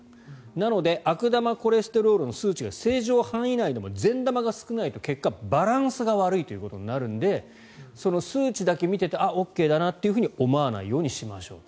なので悪玉コレステロールの数値が正常範囲内でも善玉が少ないと結果、バランスが悪いということになるのでその数値だけ見ていてあっ、ＯＫだなと思わないようにしましょうと。